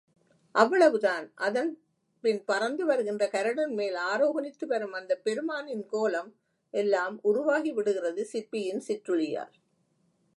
அவ்வளவுதான் அதன்பின் பறந்து வருகின்ற கருடன்மேல் ஆரோகணித்து வரும் அந்தப் பெருமானின் கோலம் எல்லாம் உருவாகிவிடுகிறது சிற்பியின் சிற்றுளியால்.